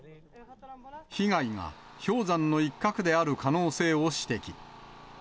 被害は氷山の一角である可能性を指摘。